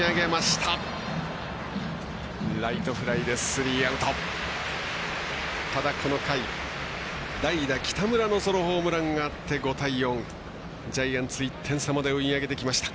ただ、この回、代打、北村のソロホームランがあって５対４、ジャイアンツ１点差まで追い上げてきました。